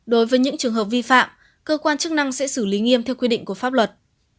đối với những trường hợp vi phạm cơ quan chức năng sẽ xử lý nghiêm theo quy định của pháp luật